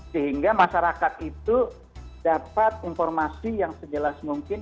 sehingga masyarakat itu dapat informasi yang sejelas mungkin